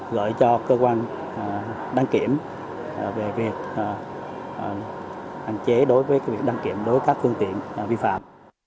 lợi cho cơ quan đăng kiểm về việc hành chế đối với việc đăng kiểm đối với các thương tiện vi phạm